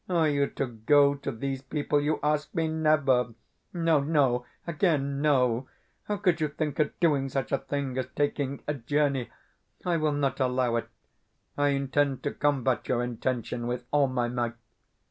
Are you to go to these people, you ask me? Never! No, no, again no! How could you think of doing such a thing as taking a journey? I will not allow it I intend to combat your intention with all my might.